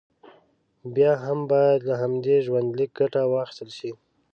بیا هم باید له همدې ژوندلیکه ګټه واخیستل شي.